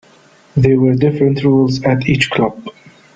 There were different rules at each club.